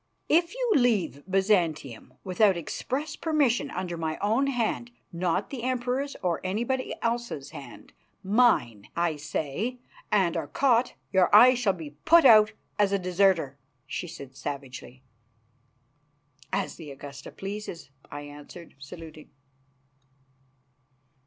"If you leave Byzantium without express permission under my own hand not the Emperor's or anybody else's hand; mine, I say and are caught, your eyes shall be put out as a deserter!" she said savagely. "As the Augusta pleases," I answered, saluting.